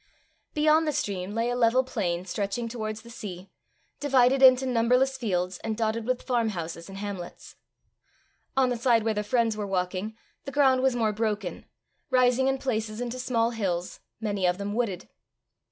Beyond the stream lay a level plain stretching towards the sea, divided into numberless fields, and dotted with farmhouses and hamlets. On the side where the friends were walking, the ground was more broken, rising in places into small hills, many of them wooded.